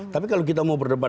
tapi kalau kita mau berdebat